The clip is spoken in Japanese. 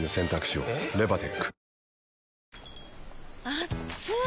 あっつい！